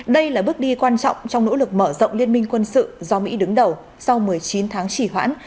đây là bước đi quan trọng trong nỗ lực mở rộng liên minh quân sự do mỹ đứng đầu sau một mươi chín tháng chỉ hoãn